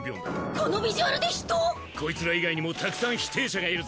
このビジュアルで人⁉こいつら以外にもたくさん否定者がいるぞ。